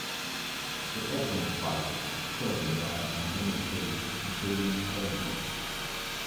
They opened fire, killed a man and wounded three, including Holbrook.